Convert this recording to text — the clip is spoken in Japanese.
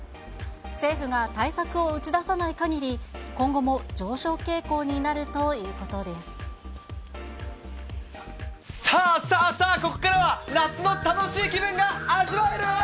政府が対策を打ち出さないかぎり、今後も上昇傾向になるということさあ、さあ、さあ、ここからは夏の楽しい気分が味わえる。